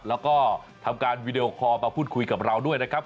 แล้วก็ทำการวีดีโอคอลมาพูดคุยกับเราด้วยนะครับ